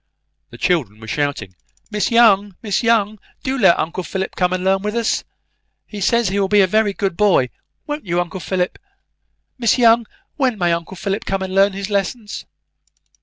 The children were shouting, "Miss Young, Miss Young, do let uncle Philip come and learn with us. He says he will be a very good boy, won't you, uncle Philip? Miss Young, when may uncle Philip come and learn his lessons?"